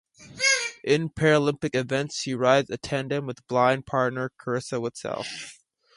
In Paralympic events she rides a tandem with a blind partner Karissa Whitsell.